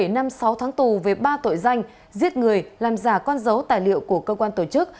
bảy năm sáu tháng tù về ba tội danh giết người làm giả con dấu tài liệu của cơ quan tổ chức